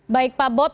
baik pak bob